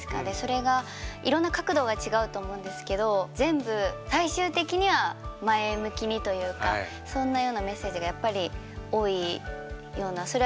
でそれがいろんな角度は違うと思うんですけど全部最終的には前向きにというかそんなようなメッセージがやっぱり多いような。